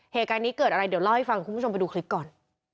เหตุการณ์นี้เกิดอะไรเดี๋ยวเล่าให้ฟังคุณผู้ชมไปดูคลิปก่อน